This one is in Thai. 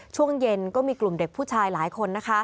ช่วงเย็นก็มีกลุ่มเด็กผู้ชายหลายคน